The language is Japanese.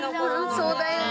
そうだよね！